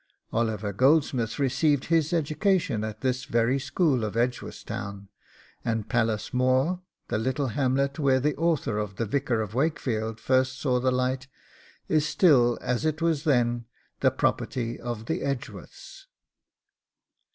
Oliver Goldsmith received his education at this very school of Edgeworthstown, and Pallas More, the little hamlet where the author of THE VICAR OF WAKEFIELD first saw the light, is still, as it was then, the property of the Edgeworths.